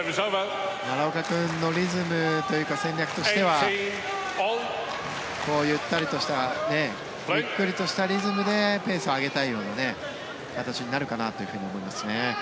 奈良岡君のリズムというか戦略としてはゆったりとしたゆっくりとしたリズムでペースを上げたい形になるかなと思いますね。